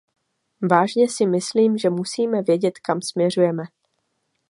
Vážně si myslím, že musíme vědět, kam směřujeme.